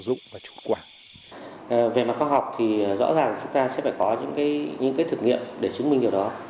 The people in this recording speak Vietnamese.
về mặt khoa học thì rõ ràng chúng ta sẽ phải có những cái thực nghiệm để chứng minh điều đó